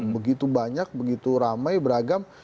begitu banyak begitu ramai beragam